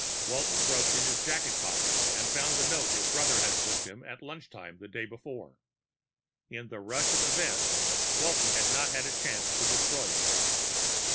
Walton groped in his jacket pocket and found the note his brother had slipped to him at lunchtime the day before. In the rush of events, Walton had not had a chance to destroy it.